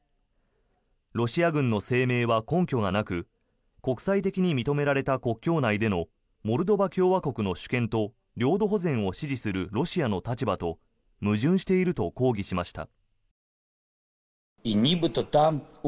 ロシア軍の声明は根拠がなく国際的に認められた国境内でのモルドバ共和国の主権と領土保全を支持するロシアの立場と矛盾していると抗議しました。